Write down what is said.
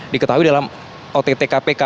diketahui dalam ott kpk